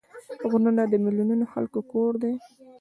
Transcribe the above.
غرونه د میلیونونو خلکو کور دی